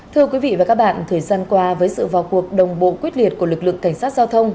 thưa quý vị và các bạn thời gian qua với sự vào cuộc đồng bộ quyết liệt của lực lượng cảnh sát giao thông